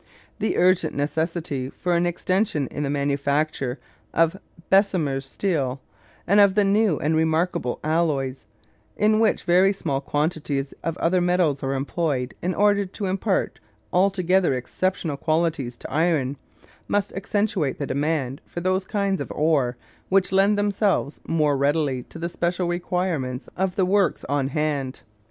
The urgent necessity for an extension in the manufacture of Bessemer steel, and of the new and remarkable alloys in which very small quantities of other metals are employed in order to impart altogether exceptional qualities to iron, must accentuate the demand for those kinds of ore which lend themselves most readily to the special requirements of the works on hand.